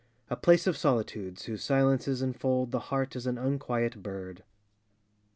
A place of solitudes whose silences Enfold the heart as an unquiet bird.